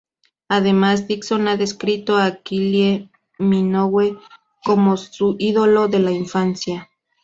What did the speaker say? Además, Dixon ha descrito a Kylie Minogue como su ídolo de la infancia.